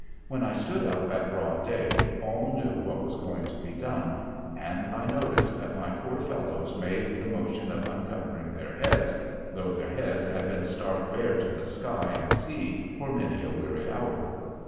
When I stood up at broad day, all knew what was going to be done, and I noticed that my poor fellows made the motion of uncovering their heads, though their heads had been stark bare to the sky and sea for many a weary hour.